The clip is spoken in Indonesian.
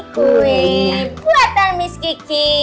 kue buatan miss kiki